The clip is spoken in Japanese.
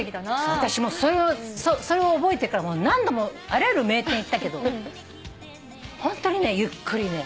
私もそれを覚えてから何度もあらゆる名店行ったけどホントにゆっくりね